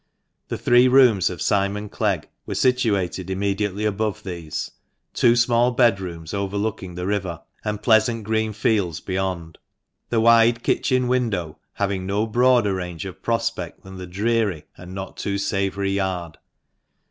The three rooms of Simon Clegg were situated immediately above these, two small bed rooms overlooking the river and pleasant green fields beyond; the wide kitchen window having no broader range of prospect than the dreary and not too savoury yard.